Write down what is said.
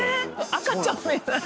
赤ちゃんみたい。